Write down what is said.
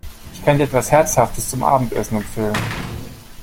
Ich kann dir etwas Herzhaftes zum Abendessen empfehlen!